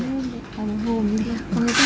thế ạ sao lại lâu thế